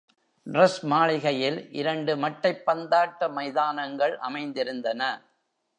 ட்ரெடிஸ் மாளிகையில் இரண்டு மட்டைப் பந்தாட்ட மைதானங்கள் அமைந்திருந்தன.